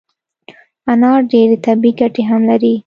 انار ډیري طبي ګټي هم لري